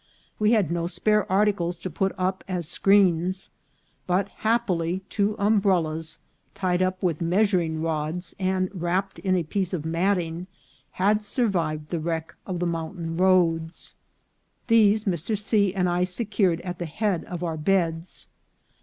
We had no spare articles to put up as screens ; but, happily, two umbrellas, tied up with meas uring rods and wrapped in a piece of matting, had sur vived the wreck of the mountain roads. These Mr. C. and I secured at the head of our beds.